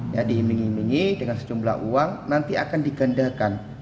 ya diiming imingi dengan sejumlah uang nanti akan digandakan